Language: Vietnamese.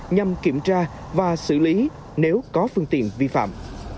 nhằm kiểm tra và xử lý nếu có phương tiện vi phạm